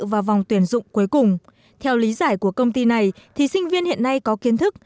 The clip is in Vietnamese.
vào vòng tuyển dụng cuối cùng theo lý giải của công ty này thì sinh viên hiện nay có kiến thức